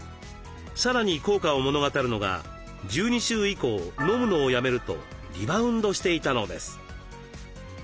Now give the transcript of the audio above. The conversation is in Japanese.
さらに効果を物語るのが１２週以降飲むのをやめるとリバウンドしていたのです。